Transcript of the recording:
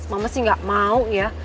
mama sih nggak mau ya